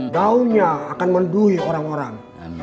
daunnya akan menduhi orang orang